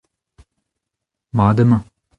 mat emañ.